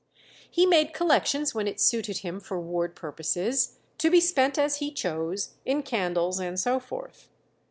He made collections when it suited him for ward purposes, to be spent as he chose, in candles and so forth.